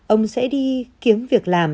ông sẽ đi kiếm việc làm